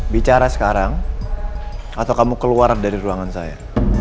bicara sekarang atau kamu keluar dari ruangan saya